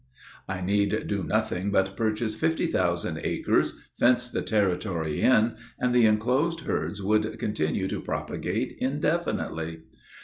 I need do nothing but purchase fifty thousand acres, fence the territory in, and the enclosed herds would continue to propagate indefinitely.